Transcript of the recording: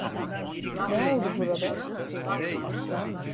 Ne oldu burada?